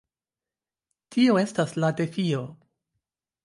Tio estas la defio!